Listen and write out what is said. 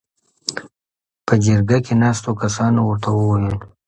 .په جرګه کې ناستو کسانو ورته ووېل: